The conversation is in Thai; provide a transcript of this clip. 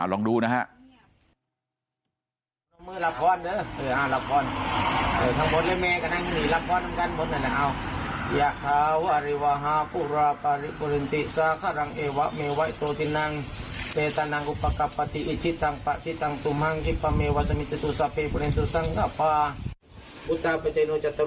อ่าลองดูนะฮะ